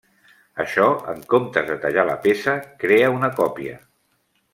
Això, en comptes de tallar la peça, crea una còpia.